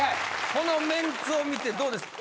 この面子を見てどうですか？